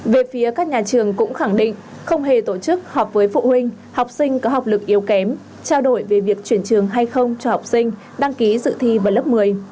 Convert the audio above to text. về phía các nhà trường cũng khẳng định không hề tổ chức họp với phụ huynh học sinh có học lực yếu kém trao đổi về việc chuyển trường hay không cho học sinh đăng ký dự thi vào lớp một mươi